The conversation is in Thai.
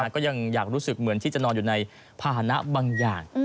ก็ยังอยากรู้สึกเหมือนที่จะนอนอยู่ในภาษณะบางอย่าง